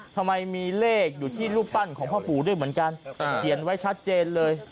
ทำไมมีเลขอยู่ที่รูปปั้นของพ่อปู่ด้วยเหมือนกันเขียนไว้ชัดเจนเลย